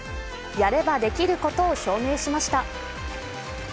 やればできることを証明しました。